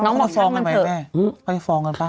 นางมาฟองกันไปแม่ไปฟองกันป่ะ